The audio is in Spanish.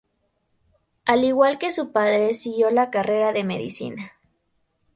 Al igual que su padre siguió la carrera de medicina.